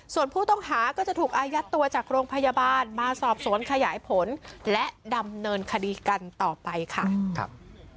ส่วนผู้ต้องหาก็จะถูกอายัดตัวจากโรงพยาบาลมาสอบสวนขยายผลและดำเนินคดีกันต่อไปค่ะ